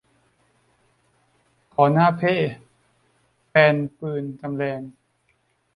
ขอนะฮะเพ่ แฟนปืนจำแลง